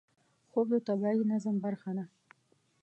خوب د طبیعي نظم برخه ده